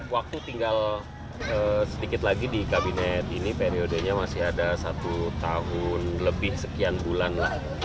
waktu tinggal sedikit lagi di kabinet ini periodenya masih ada satu tahun lebih sekian bulan lah